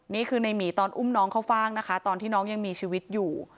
นี่คือในหมีตอนอุ้มน้องเข้าฟ่างนะคะตอนที่น้องยังมีชีวิตอยู่